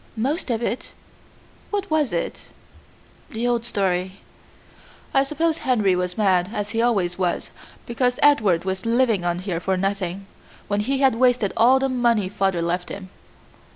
"Most of it." "What was it?" "The old story." "I suppose Henry was mad, as he always was, because Edward was living on here for nothing, when he had wasted all the money father left him."